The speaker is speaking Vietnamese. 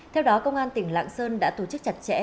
theo đó công an tỉnh lạng sơn đã tổ chức chặt chẽ